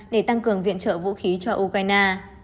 để tăng cường viện trợ vũ khí cho ukraine